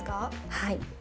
はい。